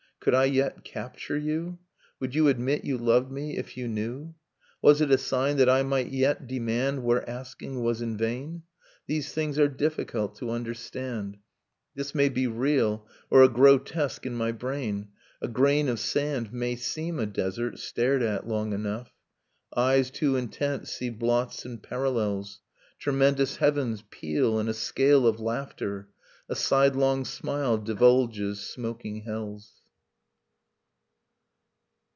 Could I yet capture you? Would you admit you loved me, if you knew? Was it a sign that I might yet demand, Where asking was in vain ?... These things are difficult to understand: This may be real, or a grotesque in my brain ... A grain of sand May seem a desert, stared at long enough : Eyes too intent see blots and parallels. Tremendous heavens peal in a scale of laughter, A sidelong smile divulges smoking hells...